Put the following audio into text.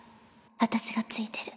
私がついてる。